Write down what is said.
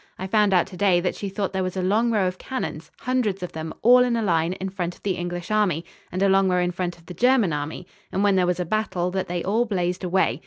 I found out to day that she thought there was a long row of cannons, hundreds of them, all in a line, in front of the English Army, and a long row in front of the German Army, and, when there was a battle, that they all blazed away.